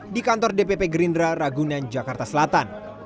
di kantor dpp gerindra ragunan jakarta selatan